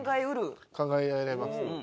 考えられます。